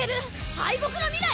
敗北の未来？